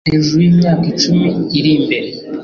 hejuru y'imyaka icumi iri imbere